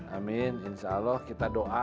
amin insya allah kita doa